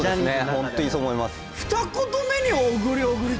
ホントにそう思います